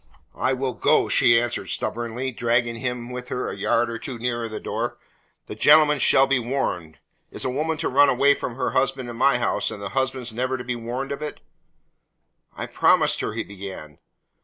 "I will go," she answered stubbornly, dragging him with her a yard or two nearer the door. "The gentleman shall be warned. Is a woman to run away from her husband in my house, and the husband never be warned of it?" "I promised her," he began.